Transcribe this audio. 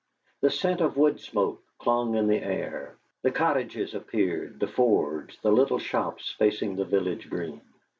A scent of wood smoke clung in the air; the cottages appeared, the forge, the little shops facing the village green.